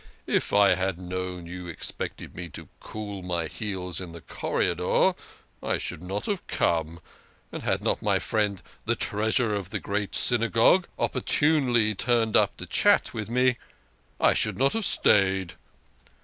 " If I had known you ex pected me to cool my heels in the corridor I should not have come, and, had not my friend the Treasurer of the Great Synagogue op portunely turned up to chat with me, I should not have stayed."